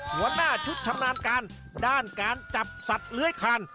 หัวหน้าชุดชำนาญการด้านการจับสัตว์เลื้อยคาน